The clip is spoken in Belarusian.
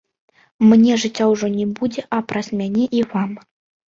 Мне жыцця ўжо не будзе, а праз мяне і вам.